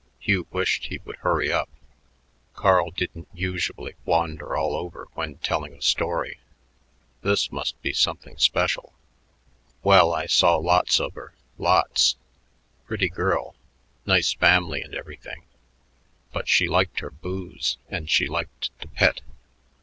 Hugh wished he would hurry up. Carl didn't usually wander all over when telling a story. This must be something special. "Well, I saw lots of her. Lots. Pretty girl, nice family and everything, but she liked her booze and she liked to pet.